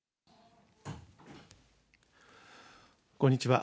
こんにちは。